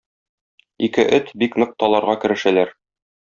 Ике эт бик нык таларга керешәләр.